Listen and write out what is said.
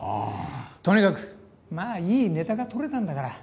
とにかくまあいいネタが取れたんだから。